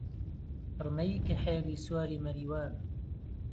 پڕمەی کەحێلی سواری مەریوانە